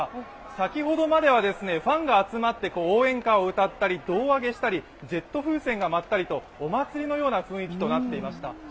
先ほどまでは、ファンが集まって応援歌を歌ったり胴上げをしたり、ジェット風船が舞ったりとお祭りのような雰囲気となっていました。